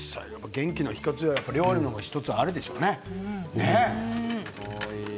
元気の秘けつは料理というのも１つあるでしょうね。